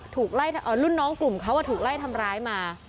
ถูกไล่รุ่นน้องกลุ่มเค้าถูกไล่ทำร้ายมา